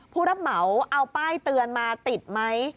ผู้รับเหมาเอาป้ายเตือนมาติดไหม